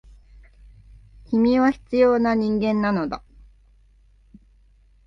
君は必要な人間なのだ。